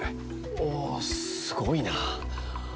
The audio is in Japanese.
おおすごいな。